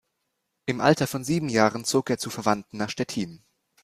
Im Alter von sieben Jahren zog er zu Verwandten nach Stettin.